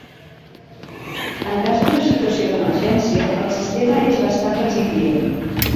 En cas d’una situació d’emergència, el sistema és bastant resilient.